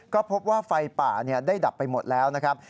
ก็พบว่าไฟป่าได้ดับไปหมดแล้วนะครับ